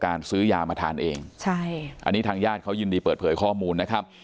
อันนี้ทางญาติเขายินดีเปิดเผยข้อมูลนะครับ